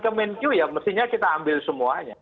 kemenkyu ya mestinya kita ambil semuanya